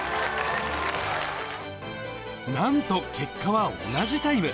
なんと結果は同じタイム。